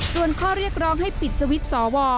ส่วนข้อเรียกร้องให้ปิดสวิตช์สว